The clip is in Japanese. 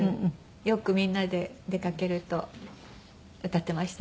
よくみんなで出かけると歌ってました。